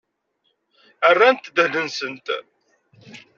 Rrant ddehn-nsent.